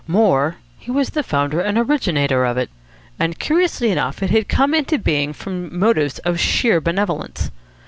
More, he was the founder and originator of it. And, curiously enough, it had come into being from motives of sheer benevolence.